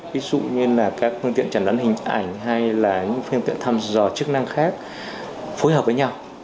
ví dụ như là các phương tiện chẩn đoán hình ảnh hay là những phương tiện thăm dò chức năng khác phối hợp với nhau